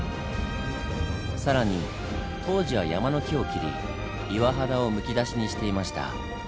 更に当時は山の木を切り岩肌をむき出しにしていました。